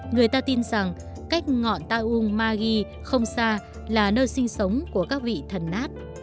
người ta tin rằng cách ngọn taum magi không xa là nơi sinh sống của các vị thần nát